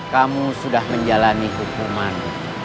kamu sudah menjalani hukuman